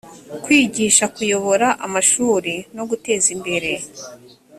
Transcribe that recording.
kwigisha kuyobora amashuli no guteza imbere